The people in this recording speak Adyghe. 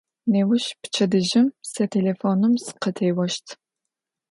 Nêuş, pçedıjım, se têlêfonım sıkhıtêoşt.